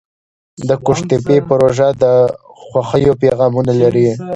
د قوشتېپې پروژه د خوښیو پیغامونه لري.